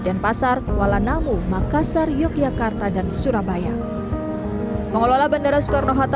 denpasar kuala namu makassar yogyakarta dan surabaya pengelola bandara soekarno hatta